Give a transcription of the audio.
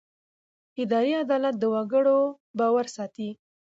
اداري عدالت د وګړو باور ساتي.